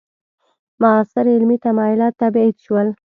معاصر علمي تمایلات تبعید شول.